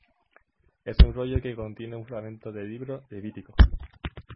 Es un rollo que contiene un fragmentos del Libro de Levítico.